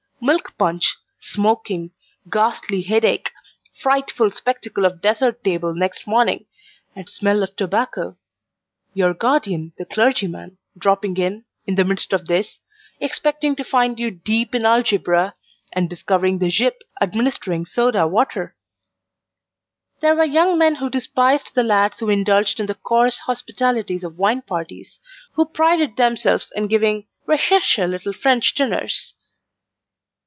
Milk punch smoking ghastly headache frightful spectacle of dessert table next morning, and smell of tobacco your guardian, the clergyman, dropping in, in the midst of this expecting to find you deep in Algebra, and discovering the Gyp administering soda water. There were young men who despised the lads who indulged in the coarse hospitalities of wine parties, who prided themselves in giving RECHERCHE little French dinners.